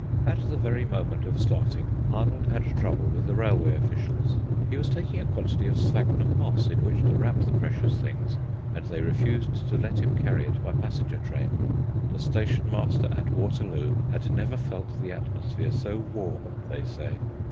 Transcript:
At the very moment of starting, Arnold had trouble with the railway officials. He was taking a quantity of Sphagnum moss in which to wrap the precious things, and they refused to let him carry it by passenger train. The station master at Waterloo had never felt the atmosphere so warm, they say.